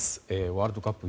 ワールドカップ